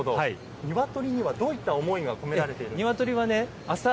鶏にはどういった思いが込められているんですか。